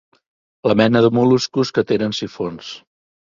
La mena de mol·luscos que tenen sifons.